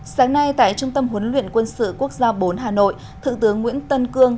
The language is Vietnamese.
sáng nay tại trung tâm huấn luyện quân sự quốc gia bốn hà nội thượng tướng nguyễn tân cương